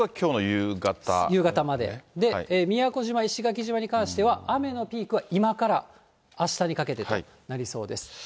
夕方まで、で、宮古島、石垣島に関しては、あめのピークは今からあしたにかけてとなりそうです。